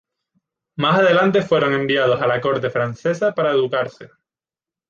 Más adelante fueron enviados a la corte francesa para educarse.